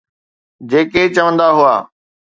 جيڪي چوندا هئا